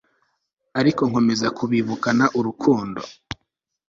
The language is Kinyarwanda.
ariko nkomeza kubibukana urukundo